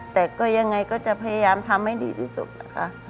แต่ก็ยังไงก็จะพยายามทำให้ดีที่สุดนะคะ